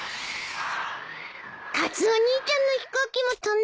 カツオ兄ちゃんの飛行機も飛んだです。